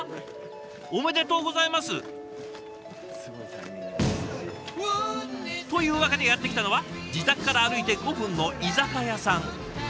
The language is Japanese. おめでとうございます！というわけでやって来たのは自宅から歩いて５分の居酒屋さん。